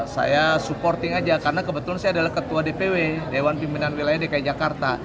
saya supporting aja karena kebetulan saya adalah ketua dpw dewan pimpinan wilayah dki jakarta